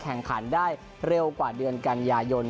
แข่งขันได้เร็วกว่าเดือนกาญญาโยนด์๑๓๕๑๐๐๙๐๐๙๐๐๘